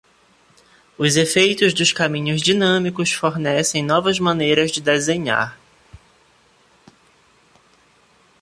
Os efeitos dos caminhos dinâmicos fornecem novas maneiras de desenhar.